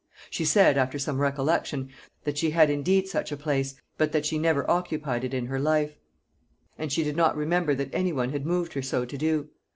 She said, after some recollection, that she had indeed such a place, but that she never occupied it in her life, and she did not remember that any one had moved her so to do.